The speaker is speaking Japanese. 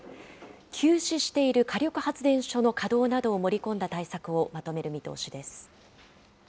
休止している火力発電所の稼働などを盛り込んだ対策をまとめる見通しです。